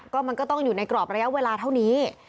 ก็มันก็ต้องอยู่ในกรอบระยะเวลาเท่านี้